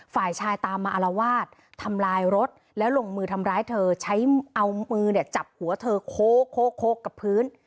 ฝ่ายชายตามมาอารวาสทำลายรถแล้วลงมือทำร้ายเธอใช้เอามือเนี่ยจับหัวเธอโคกกับพื้น